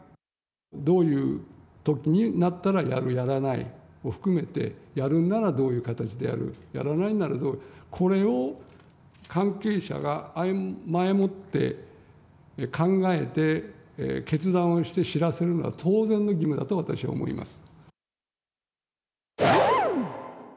どういうときになったらやる、やらないを含めて、やるならどういう形でやる、やらないならどうする、これを関係者が前もって考えて、決断をして知らせるのは、当然の義務だと私は思います。